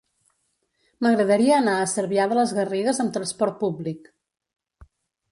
M'agradaria anar a Cervià de les Garrigues amb trasport públic.